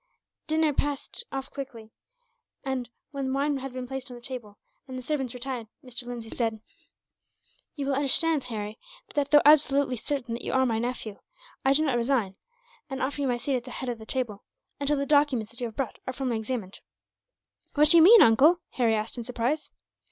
Dinner passed off quickly, and when wine had been placed on the table, and the servants retired, Mr. Lindsay said: "You will understand, Harry, that although absolutely certain that you are my nephew, I do not resign, and offer you my seat at the head of the table, until the documents that you have brought are formally examined." "What do you mean, uncle?" Harry asked, in surprise.